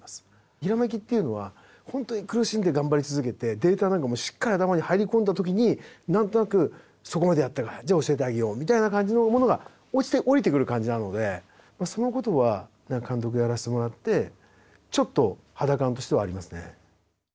ひらめきっていうのは本当に苦しんで頑張り続けてデータなんかもしっかり頭に入り込んだ時に何となくそこまでやったかじゃあ教えてあげようみたいな感じのものが落ちて降りてくる感じなのでそのことは監督やらせてもらってちょっと肌感としてはありますね。